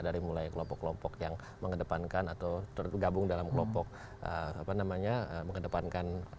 dari mulai kelompok kelompok yang mengedepankan atau tergabung dalam kelompok apa namanya mengedepankan